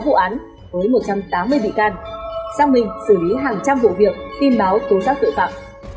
sang mình xử lý hàng trăm vụ việc tin báo tố giác tội phạm